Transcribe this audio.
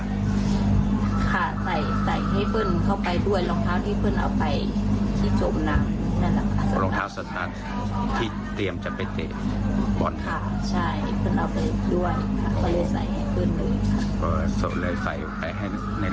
ใส่ให้เพื่อนเข้าไปด้วยรองเท้าที่เพื่อนเอาไปที่จบหนัง